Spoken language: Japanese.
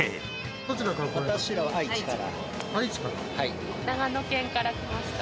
どちらから来られました？